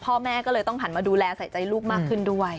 พ่อแม่ก็เลยต้องหันมาดูแลใส่ใจลูกมากขึ้นด้วย